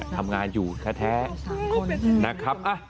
ทำงานอยู่แท้นะครับ